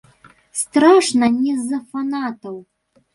Страшна не з-за фанатаў.